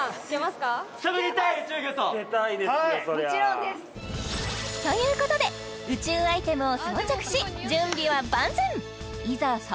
そりゃもちろんですということで宇宙アイテムを装着し準備は万全いざ３８